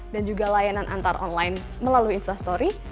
dan juga layanan antar online melalui instastory